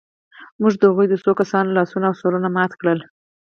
موږ د هغوی د څو کسانو لاسونه او سرونه مات کړل